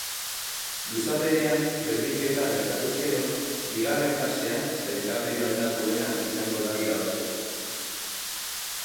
Luzapenean berdinketa gertatuz gero, bigarren fasean sailkapen onena duena izango da irabazlea.